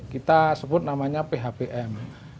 kita sebut namanya phpm